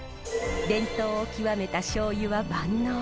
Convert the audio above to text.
伝統を究めたしょうゆは万能。